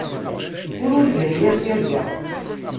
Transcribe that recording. Ur urgan yir tirga.